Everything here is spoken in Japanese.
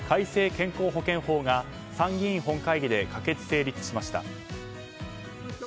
健康保険法が参議院本会議で可決・成立しました。